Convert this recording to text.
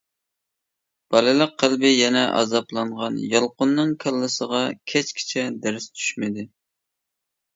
بالىلىق قەلبى يەنە ئازابلانغان يالقۇننىڭ كاللىسىغا كەچكىچە دەرس چۈشمىدى.